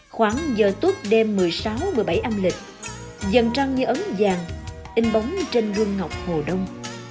khoảng giờ tốt đêm một mươi sáu một mươi bảy âm lịch dần trăng như ấn vàng in bóng trên gương ngọc hồ đông